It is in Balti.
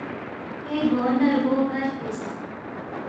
کھوے گو نہ رگو برفیس